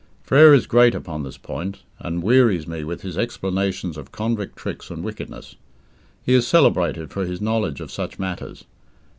Frere is great upon this point, and wearies me with his explanations of convict tricks and wickedness. He is celebrated for his knowledge of such matters.